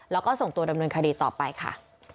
แล้วก็ส่งตัวดำเนินคดีต่อไปค่ะ